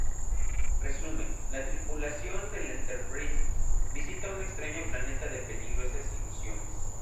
Resumen: La tripulación del "Enterprise" visita un extraño planeta de peligrosas ilusiones.